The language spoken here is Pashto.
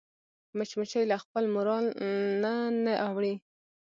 مچمچۍ له خپل مورال نه نه اوړي